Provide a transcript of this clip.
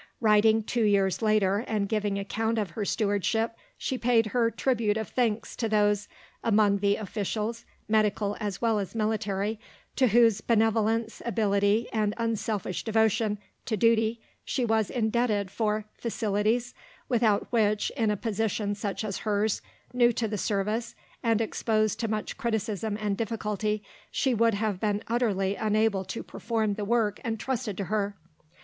Writing two years later and giving account of her stewardship, she paid her tribute of thanks to those "among the officials, medical as well as military, to whose benevolence, ability, and unselfish devotion to duty she was indebted for facilities, without which, in a position such as hers, new to the service, and exposed to much criticism and difficulty, she would have been utterly unable to perform the work entrusted to her."